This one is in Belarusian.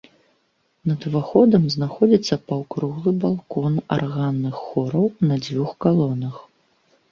Над уваходам знаходзіцца паўкруглы балкон арганных хораў на дзвюх калонах.